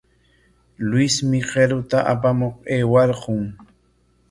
Luismi qiruta apamuq aywarqun.